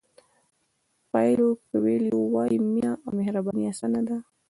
پایلو کویلو وایي مینه او مهرباني اسانه ده.